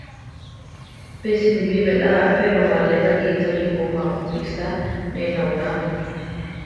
Pe sinibí belá a apéroma alé raʼíchali ko ma-pu kisá ne náulama.